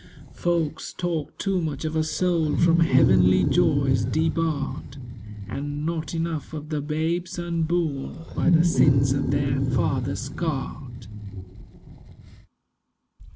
Folks talk too much of a soul From heavenly joys debarred— And not enough of the babes unborn, By the sins of their fathers scarred.